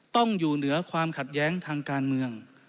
ต้องอยู่เหนือความขัดแย้งทางการเมือง